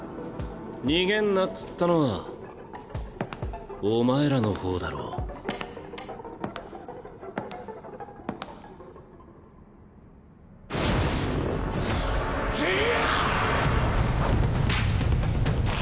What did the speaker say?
逃げんなっつったのはお前らの方だろ。でやっ！